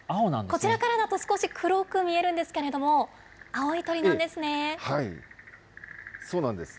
こちらからだと、少し黒く見えるんですけれども、青い鳥なんそうなんです。